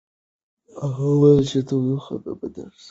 هغه وویل چې تودوخه د بدن اصلي ثبات ساتي.